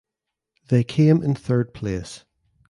They came in third place.